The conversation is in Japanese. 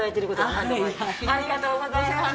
ありがとうございます。